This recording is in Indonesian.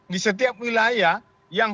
di setiap wilayah yang